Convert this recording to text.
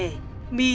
my thông minh